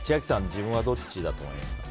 自分はどっちだと思いますか？